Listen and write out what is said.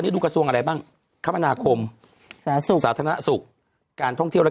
นี่ดูกระทรวงอะไรบ้างคมนาคมสาธารณสุขการท่องเที่ยวและ